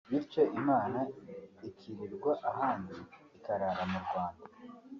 bityo Imana ikirirwa ahandi ikarara mu Rwanda